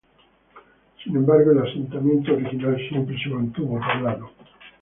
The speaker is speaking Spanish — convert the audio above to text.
Sin embargo, el asentamiento original siempre se mantuvo poblado.